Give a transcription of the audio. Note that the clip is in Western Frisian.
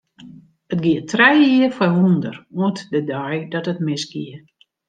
It gie trije jier foar wûnder, oant de dei dat it misgie.